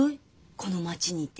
この町にいて。